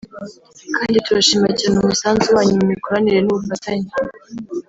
kandi turashima cyane umusanzu wanyu mu mikoranire n’ubufatanye